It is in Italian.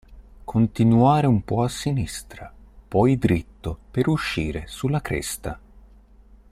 Continuare un po' a sinistra poi dritto per uscire sulla cresta.